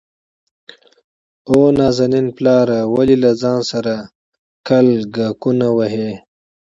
او نازنين پلاره ! ولې له ځان سره کلګکونه وهې؟